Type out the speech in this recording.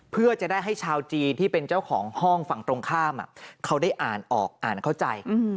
เพื่อจะได้ให้ชาวจีนที่เป็นเจ้าของห้องฝั่งตรงข้ามเขาได้อ่านออกอ่านเข้าใจ